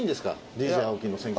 ＤＪ青木の選曲。